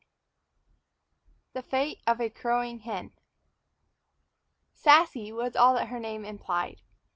XV THE FATE OF A CROWING HEN "SASSY" was all that her name implied.